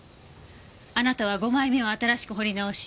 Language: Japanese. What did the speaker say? あなたは５枚目を新しく彫り直し